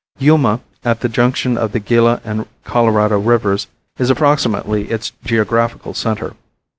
Yuma, at the junction of the Gila and Colorado rivers, is approximately its geographical center.